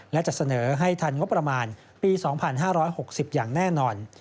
และจะเสนอให้ทันงบประมาณปี๒๕๖๐อย่างแน่นอน